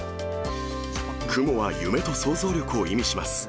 雲は夢と想像力を意味します。